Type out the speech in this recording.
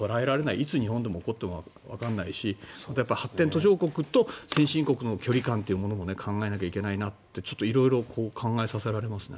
いつ日本で起こってもわからないし発展途上国と先進国の距離感というのも考えなきゃいけないなってちょっと色々考えさせられますね。